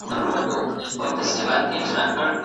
د ناروغ په معده کې پړسوب د ناوړه خوړو پایله ده.